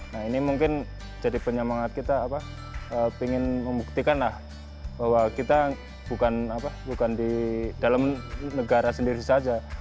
nah ini mungkin jadi penyemangat kita ingin membuktikan lah bahwa kita bukan di dalam negara sendiri saja